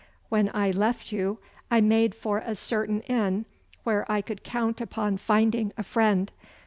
When I left you I made for a certain inn where I could count upon finding a friend.